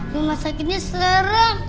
rumah sakitnya serem